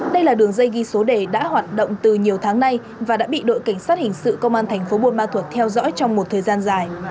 đây là đường dây ghi số đề đã hoạt động từ nhiều tháng nay và đã bị đội cảnh sát hình sự công an tp hcm theo dõi trong một thời gian dài